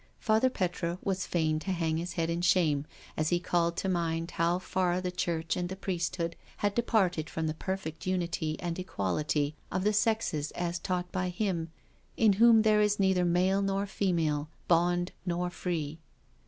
Father Petre was feign to hang his head in shame as he called to mind how far the Church and the priesthood had departed from the perfect unity and equality of the sexes as taught by Him "in whom there is neither male nor female, bond nor free."